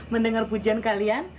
mendengar pujian kalian